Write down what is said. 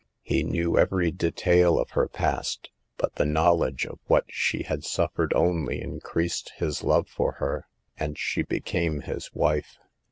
He knew every detail of her past, but the knowledge of what she had suf fered only increased his love for her, and she ? became his wife.